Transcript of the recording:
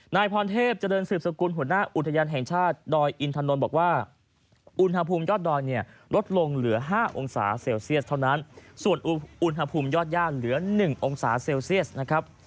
นายพรเทพเจริญสืบสกุลหัวหน้าอุทยานแห่งชาติดอยอินถนนบอกว่าอุณหภูมิยอดดอยเนี่ยลดลงเหลือ๕องศาเซลเซียสเท่านั้นส่วนอุณหภูมิยอดย่างเหลือ๑องศาเซลเซียสนะครับ